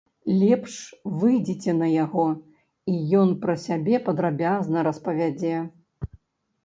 Лепш выйдзіце на яго, і ён пра сябе падрабязна распавядзе.